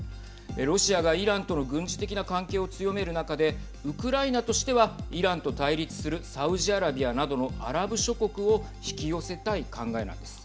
ロシアがイランとの軍事的な関係を強める中でウクライナとしてはイランと対立するサウジアラビアなどのアラブ諸国を引き寄せたい考えなんです。